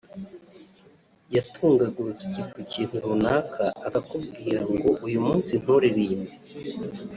yagutunga urutoki ku kintu runaka akakubwira ngo uyu munsi nturirimbe